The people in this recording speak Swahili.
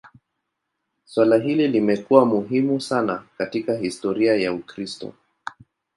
Suala hili limekuwa muhimu sana katika historia ya Ukristo.